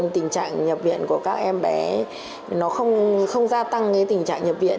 tình trạng nhập viện của các em bé không gia tăng tình trạng nhập viện